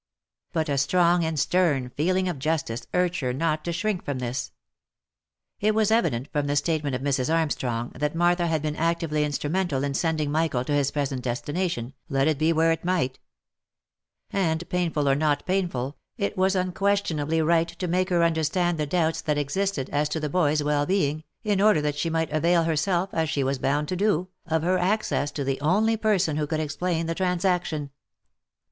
But a strong and stern feeling of justice, urged her not to shrink from this. It was evident from the statement of Mrs. Arm strong that Martha had been actively instrumental in sending Michael to his present destination, let it be where it might; and painful or not painful, it was unquestionably right to make her understand the doubts that existed as to the boy's well being, in order that she might avail herself, as she was bound to do, of her access to the only person who could explain the transaction.